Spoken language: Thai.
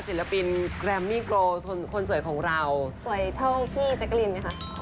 ศิลปินแกรมมี่โกคนสวยของเราสวยเท่าพี่แจ๊กกะลินไหมคะ